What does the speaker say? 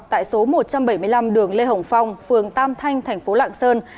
tại số một trăm bảy mươi năm đường lê hồng phong phường tam thanh tp lạng sơn